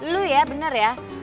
lu ya bener ya